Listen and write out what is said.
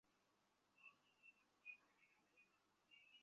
হয়তো, এজন্যই আমরা এতদূর এসেছিলাম।